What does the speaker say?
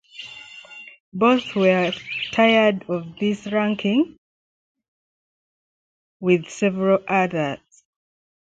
Both were tied for these rankings with several others.